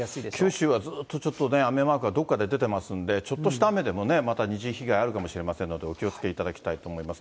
九州はずーっと、ちょっとね、雨マークがどっかで出てますんで、ちょっとした雨でもね、また二次被害あるかもしれませんので、お気をつけいただきたいと思います。